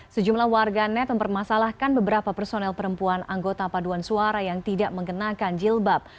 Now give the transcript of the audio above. sejumlah warganet mempermasalahkan beberapa personel perempuan anggota paduan suara yang tidak mengenakan jilbab